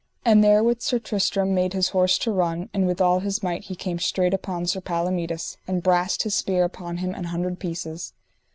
And therewith Sir Tristram made his horse to run, and with all his might he came straight upon Sir Palomides, and brast his spear upon him an hundred pieces.